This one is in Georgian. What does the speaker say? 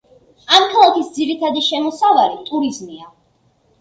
ამ ქალაქის ძირითადი შემოსავალი ტურიზმია.